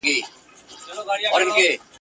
کلونه کیږي چي مي پل د یار لیدلی نه دی !.